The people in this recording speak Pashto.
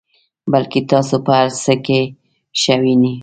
بلکې تاسو په هر څه کې ښه وینئ.